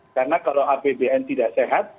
karena kalau apbn tidak sehat